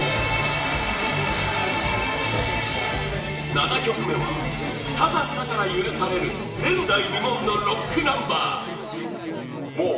７曲目はサザンだから許される前代未聞のロックナンバー！